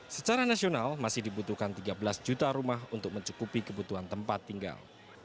secara nasional masih dibutuhkan tiga belas juta rumah untuk mencukupi kebutuhan tempat tinggal